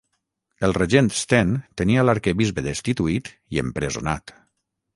El regent Sten tenia l'arquebisbe destituït i empresonat.